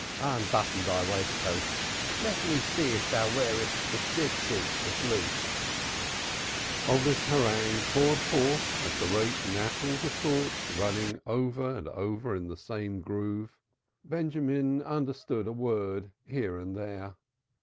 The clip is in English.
Unbutton thy waistcoat, let me see if thou wearest the 'four corners' at least." Of this harangue, poured forth at the rate natural to thoughts running ever in the same groove, Benjamin understood but a word here and there.